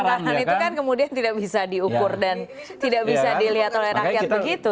arahan itu kan kemudian tidak bisa diukur dan tidak bisa dilihat oleh rakyat begitu